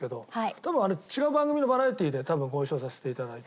多分あれ違う番組のバラエティーで多分ご一緒させて頂いて。